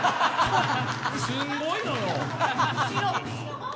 すごいのよ。